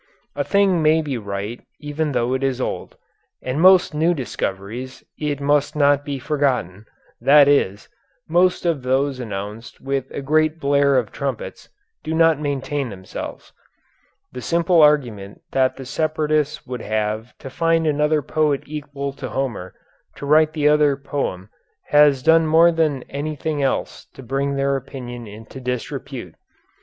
A thing may be right even though it is old, and most new discoveries, it must not be forgotten, that is, most of those announced with a great blare of trumpets, do not maintain themselves. The simple argument that the separatists would have to find another poet equal to Homer to write the other poem has done more than anything else to bring their opinion into disrepute.